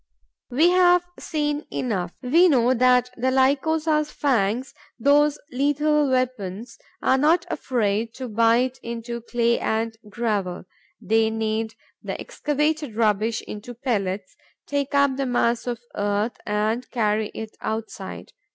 We have seen enough: we know that the Lycosa's fangs, those lethal weapons, are not afraid to bite into clay and gravel. They knead the excavated rubbish into pellets, take up the mass of earth and carry it outside.